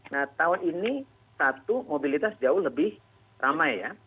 nah tahun ini satu mobilitas jauh lebih ramai ya